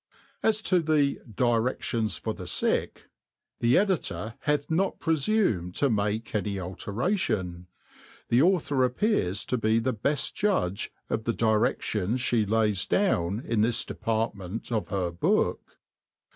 As to the Direftions for the Sick, the Editor hath mt presumed tc make any, alteration ^ the Aulhor af fears U he ti^e tefi judge of the direS&ons^ Jhe kys doiM in this department of her book.